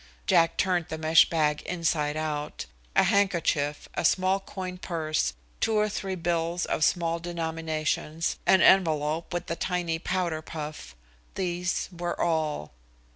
Jack turned the mesh bag inside out. A handkerchief, a small coin purse, two or three bills of small denominations, an envelope with a tiny powder puff these were all.